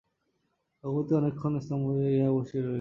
রঘুপতি অনেক ক্ষণ স্তম্ভিত ইহায়া বসিয়া রহিলেন।